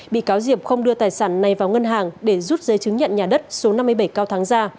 bị cáo diệp không đưa tài sản này vào ngân hàng để rút giấy chứng nhận nhà đất số năm mươi bảy cao thắng ra